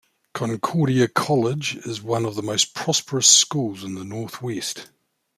Concordia College is one of the most prosperous schools in the Northwest.